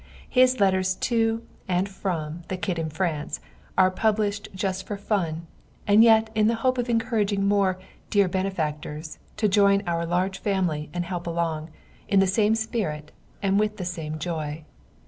His letters to and from the kid in France are published just for fun and yet in the hope of encouraging more "dear benefactors" to join our large family and help along, in the same spirit and with the same joy.